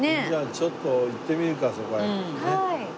じゃあちょっと行ってみるかそこへ。